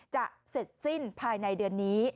จะเสร็จสิ้นภายในเดือนนี้